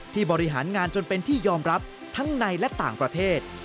บริหารงานจนเป็นที่ยอมรับทั้งในและต่างประเทศ